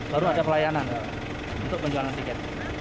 baru ada pelayanan untuk penjualan tiket